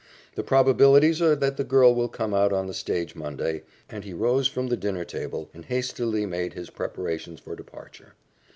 The probabilities are that the girl will come out on the stage Monday," and he rose from the dinner table and hastily made his preparations for departure.